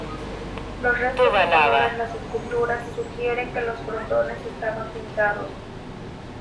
Los restos de color en las esculturas sugieren que los frontones estaban pintados.